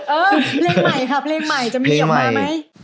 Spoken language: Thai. เออเพลงใหม่ค่ะเพลงใหม่จะมีออกมาไหม